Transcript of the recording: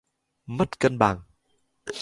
mất cân bằng